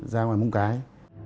ra ngoài bóng cái